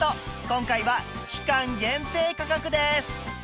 今回は期間限定価格です